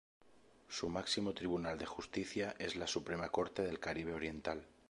Su máximo tribunal de justicia es la Suprema Corte del Caribe Oriental.